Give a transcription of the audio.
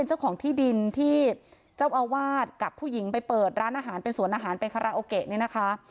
เจ้าของที่ดินที่เจ้าอาวาสกับผู้หญิงไปเปิดร้านอาหารเป็นสวนอาหารเป็นคาราโอเกะเนี่ยนะคะ